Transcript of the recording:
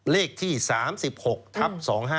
เลขที่๓๖ทับ๒๕๖